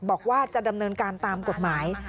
บอกว่าจะดำเนินการตามกฎหมาย